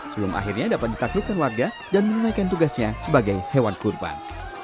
sebelum akhirnya dapat ditaklukkan warga dan menunaikan tugasnya sebagai hewan kurban